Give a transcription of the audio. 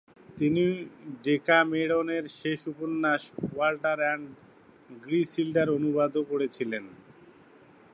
তিনি ডেকামেরনের শেষ উপন্যাস ওয়াল্টার অ্যান্ড গ্রীসিল্ডার অনুবাদও করেছিলেন।